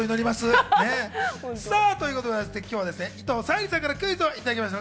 今日は伊藤沙莉さんからクイズをいただきました。